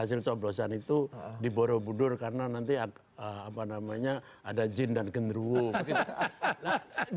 hasil coblosan itu diboro budur karena nanti apa namanya ada jin dan gendrung